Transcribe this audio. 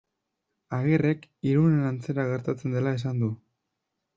Agirrek Irunen antzera gertatzen dela esan du.